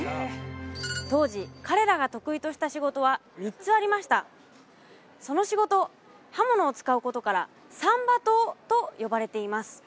当時彼らが得意とした仕事は３つありましたその仕事刃物を使うことから三把刀と呼ばれています